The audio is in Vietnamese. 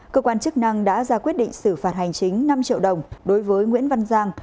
chức năng đã ra quyết định xử phạt hành chính năm triệu đồng đối với nguyễn văn giang